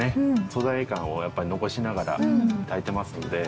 素材感を残しながら炊いてますので。